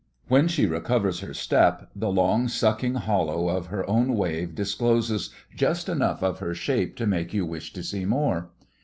When she recovers her step, the long sucking hollow of her own wave discloses just enough of her shape to make you wish to see more.